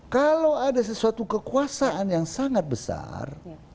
kalau ada sesuatu kekuasaan yang sangat besar